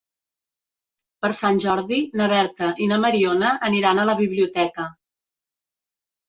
Per Sant Jordi na Berta i na Mariona aniran a la biblioteca.